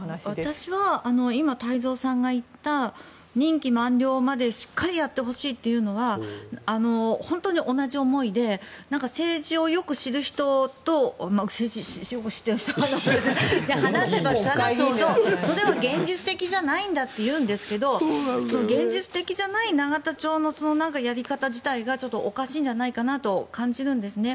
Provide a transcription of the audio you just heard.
私は今、太蔵さんが言った任期満了までしっかりやってほしいというのは本当に同じ思いで政治をよく知る人と話せば話すほどそれは現実的じゃないんだと言うんですけどそれが現実的じゃない永田町のやり方自体がおかしいんじゃないかなと感じるんですね。